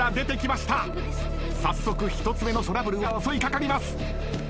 早速１つ目のトラブルが襲い掛かります。